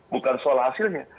bukan soal hasilnya